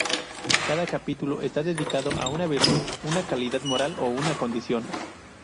Cada capítulo está dedicado a una virtud, una calidad moral o una condición.